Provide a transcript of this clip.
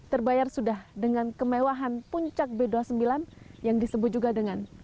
terbayar sudah dengan kemewahan puncak b dua puluh sembilan yang disebut juga dengan